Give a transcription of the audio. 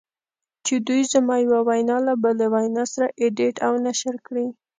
چې دوی زما یوه وینا له بلې وینا سره ایډیټ و نشر کړې